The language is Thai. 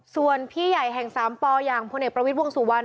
ส่วนพี่ใหญ่แห่ง๓ปอย่างพลเอกประวิทย์วงสุวรรณ